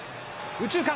右中間。